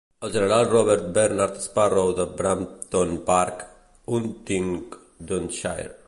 El general Robert Bernard Sparrow de Brampton Park (Huntingdonshire).